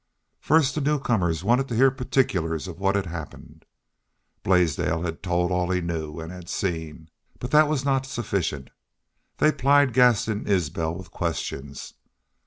First the newcomers wanted to hear particulars of what had happened. Blaisdell had told all he knew and had seen, but that was not sufficient. They plied Gaston Isbel with questions.